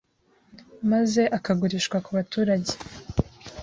maze akagurishwa ku baturage,